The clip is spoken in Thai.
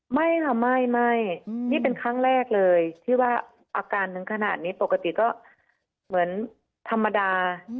ไม่ค่ะไม่นี่เป็นครั้งแรกเลยที่ว่าอาการถึงขนาดนี้ปกติก็เหมือนธรรมดา